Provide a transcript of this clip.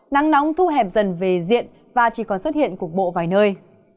nắng nóng thu hẹp dần về diện và chỉ còn xuất hiện cục bộ vài nơi